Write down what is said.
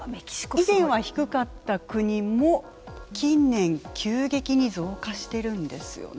以前は低かった国も近年急激に増加してるんですよね。